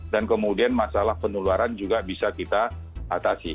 kemudian masalah penularan juga bisa kita atasi